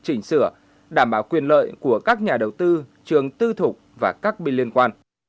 chỉnh sửa đảm bảo quyền lợi của các nhà đầu tư trường tư thục và các bên liên quan